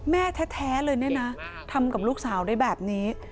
แม่แท้เลยเนี่ยนะทำกับลูกสาวได้แบบนี้